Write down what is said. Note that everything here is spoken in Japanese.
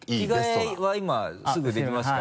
着替えは今すぐできますか？